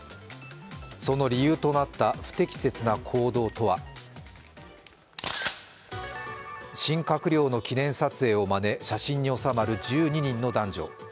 その理由となった不適切な行動とは新閣僚の記念撮影をまね写真に収まる１２人の男女。